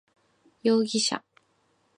容疑者